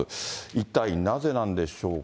一体なぜなんでしょうか。